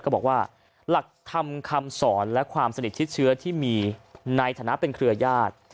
ก็บอกว่าหลักธรรมคำสอนและความสนิทชิดเชื้อที่มีในฐานะเป็นเครือญาติ